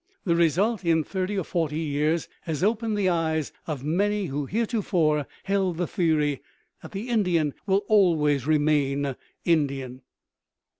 The result in thirty or forty years has opened the eyes of many who heretofore held the theory that the Indian will always remain Indian.